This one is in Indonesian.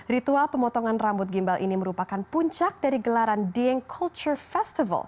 ritual pemotongan rambut gimbal ini merupakan puncak dari gelaran dieng culture festival